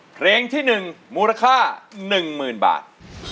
เพลงที่หนึ่งมูลค่า๑๐๐๐๐บาท